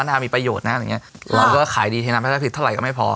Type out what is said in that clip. มันน่ามีประโยชน์นะเราก็ขายดีเท่านั้นไม่ใช่ผิดเท่าไหร่ก็ไม่พอ